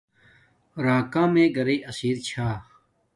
راکا میے گھرݵ اسیر چھا